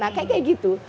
nah kayak gitu